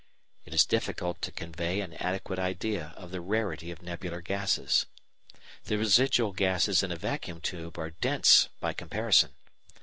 It is difficult to convey an adequate idea of the rarity of nebular gases. The residual gases in a vacuum tube are dense by comparison.